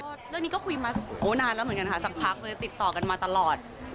เรื่องนี้ก็คุยมานานแล้วเหมือนกันค่ะสักพักเลยติดต่อกันมาตลอด